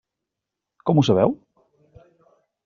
Com ho sabeu?